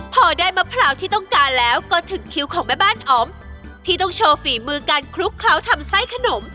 พอได้มะพร้าวที่ต้องการแล้วก็ถึงคิวของแม่บ้านอ๋อมที่ต้องโชว์ฝีมือการคลุกเคล้าทำไส้ขนม